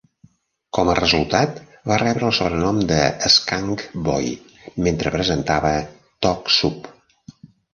Com a resultat, va rebre el sobrenom de "Skunk Boy" mentre presentava "Talk Soup".